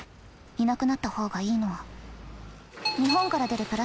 いなくなった方がいいのは。